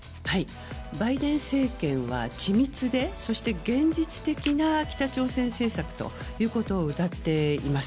バイデン政権は緻密でそして現実的な北朝鮮政策ということをうたっています。